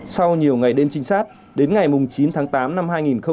sau nhiều ngày đêm trinh sát đến ngày chín tháng tám năm hai nghìn hai mươi hai